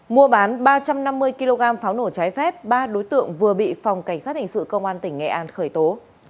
mua bán ba trăm năm mươi kg pháo nổ trái phép ba đối tượng vừa bị phòng cảnh sát hình sự công an tỉnh nghệ an khởi tố